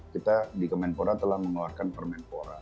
kita di kemenpora telah mengeluarkan permenpora